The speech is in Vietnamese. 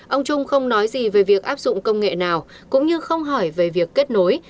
ông trung không nói gì về việc áp dụng công nghệ nào cũng như không hỏi về việc kết nối